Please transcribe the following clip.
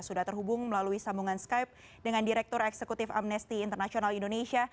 sudah terhubung melalui sambungan skype dengan direktur eksekutif amnesty international indonesia